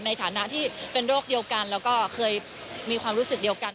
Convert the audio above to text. ในฐานะที่เป็นโรคเดียวกันแล้วก็เคยมีความรู้สึกเดียวกัน